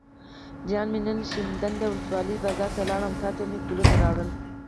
جان مې نن شینډنډ ولسوالۍ بازار ته لاړم او تاته مې ګلونه راوړل.